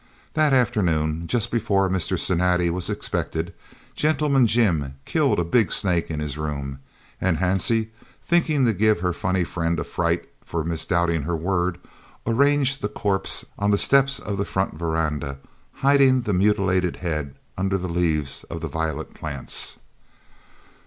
That afternoon, just before Mr. Cinatti was expected, Gentleman Jim killed a big snake in his room, and Hansie, thinking to give her funny friend a fright for misdoubting her word, "arranged" the corpse on the steps of the front verandah, hiding the mutilated head under the leaves of the violet plants.